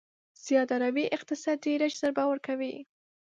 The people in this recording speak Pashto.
زياده روي اقتصادي رشد ضربه ورکوي.